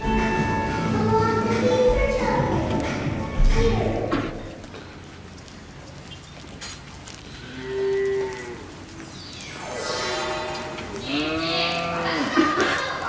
チッチまた時間を止めたのか。